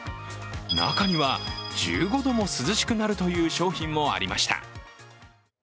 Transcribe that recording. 中には１５度も涼しくなるという商品もありました。